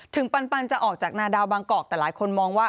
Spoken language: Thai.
ปันจะออกจากนาดาวบางกอกแต่หลายคนมองว่า